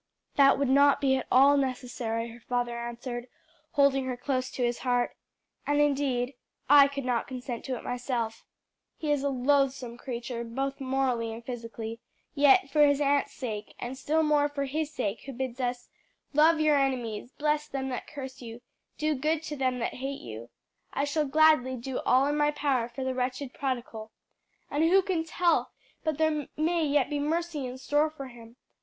"That would not be at all necessary," her father answered, holding her close to his heart. "And indeed I could not consent to it myself. He is a loathsome creature both morally and physically; yet for his aunt's sake, and still more for His sake who bids us 'Love your enemies, bless them that curse you, do good to them that hate you,' I shall gladly do all in my power for the wretched prodigal. And who can tell but there may yet be mercy in store for him?